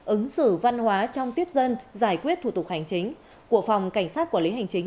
ứng xử văn hóa trong tiếp dân giải quyết thủ tục hành chính của phòng cảnh sát quản lý hành chính